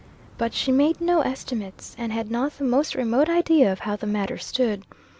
But she made no estimates, and had not the most remote idea of how the matter stood.